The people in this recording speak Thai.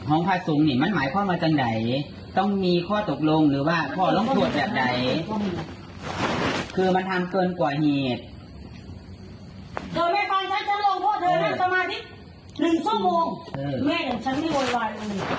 เอาเธอเล่นสมัครท่ีคนึงสู้โมงแม่อย่างฉันไม่ไวพารุจังหวานสมัครที่นึงสมมุม